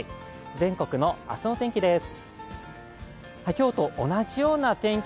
全国の明日の天気です。